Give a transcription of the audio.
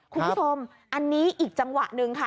คุณผู้ชมอันนี้อีกจังหวะหนึ่งค่ะ